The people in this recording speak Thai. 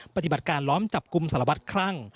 ปฏิบัติการล้อมจับกลุ่มสารวัตรคลั่ง